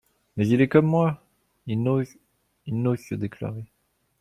Mais il est comme moi… il n’ose… il n’ose se déclarer…